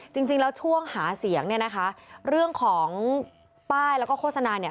จริงแล้วช่วงหาเสียงเรื่องของป้ายและโฆษณา